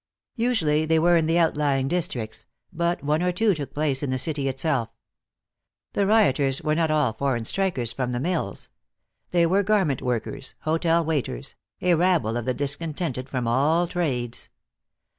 Usually they were in the outlying districts, but one or two took place in the city itself. The rioters were not all foreign strikers from the mills. They were garment workers, hotel waiters, a rabble of the discontented from all trades.